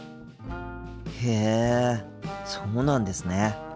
へえそうなんですね。